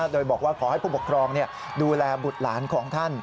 โดยบอกว่าขอให้ผู้ปกครองดูแลบุตรหลานของท่าน